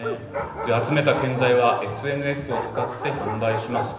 集めた建材は、ＳＮＳを使って販売します。